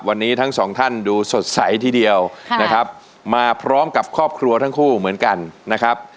วันนี้ทั้งสองท่านดูสดใสทีเดียวนะครับมาพร้อมกับครอบครัวทั้งคู่เหมือนกันนะครับ